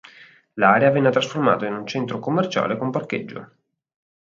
L'area venne trasformata in un centro commerciale con parcheggio.